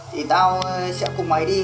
thì tao sẽ cùng mày đi